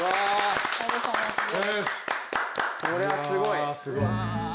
これはすごい。